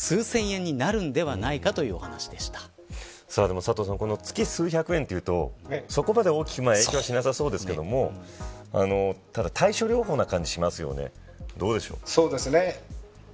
佐藤さん、月数百円というとそこまで大きく影響しなさそうですけどただ、対症療法な感じしますよね。